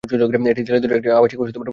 এই ছেলেদের জন্য একটি আবাসিক কলেজ শুধুমাত্র।